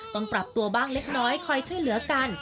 ต้องปรับตัวบ้างเล็กน้อยคอยช่วยเหลือกัน